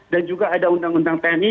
dan juga ada undang undang tni